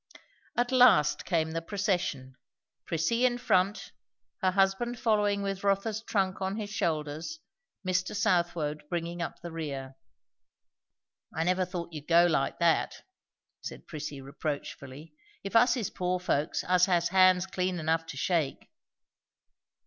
At last came the procession; Prissy in front, her husband following with Rotha's trunk on his shoulders, Mr. Southwode bringing up the rear. "I never thought you'd go like that," said Prissy reproachfully. "If us is poor folks, us has hands clean enough to shake."